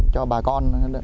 cho bà con